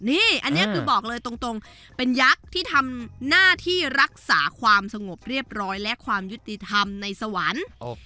นี่อันนี้คือบอกเลยตรงเป็นยักษ์ที่ทำหน้าที่รักษาความสงบเรียบร้อยและความยุติธรรมในสวรรค์